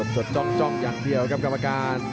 จดจ้องอย่างเดียวครับกรรมการ